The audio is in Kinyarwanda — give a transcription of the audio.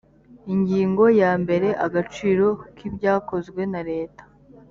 ingingo ya mbere agaciro k ibyakozwe naleta